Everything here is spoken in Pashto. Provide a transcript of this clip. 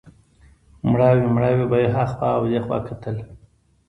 مړاوی مړاوی به یې هخوا او دېخوا کتل.